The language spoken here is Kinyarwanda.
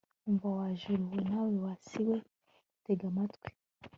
umva, wa juru we! nawe wa si we, tega amatwi